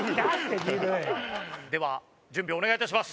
では準備お願い致します。